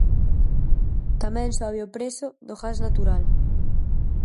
Tamén sobe o prezo do gas natural.